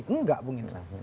enggak bung indra